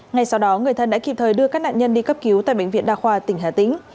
ngay sau đó người thân đã kịp thời đưa các nạn nhân đi cấp cứu tại bệnh viện đa khoa tỉnh hà tĩnh